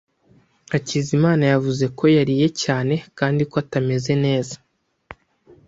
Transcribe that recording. Hakizimana yavuze ko yariye cyane kandi ko atameze neza.